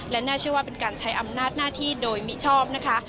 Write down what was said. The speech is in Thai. และน่าเชื่อว่าเป็นการใช้อำนาจหน้าที่โดยมิชอบนะคะ